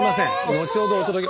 のちほどお届け。